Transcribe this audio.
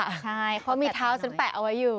ใช่เพราะมีเท้าฉันแปะเอาไว้อยู่